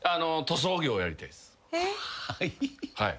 はい？